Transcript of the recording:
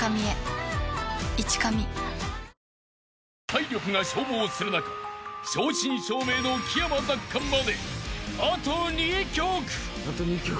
［体力が消耗する中正真正銘の木山奪還まであと２曲］